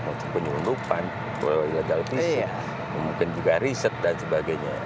maksud penyelundupan oleh oleh dalvisi mungkin juga riset dan sebagainya